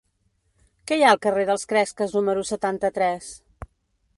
Què hi ha al carrer dels Cresques número setanta-tres?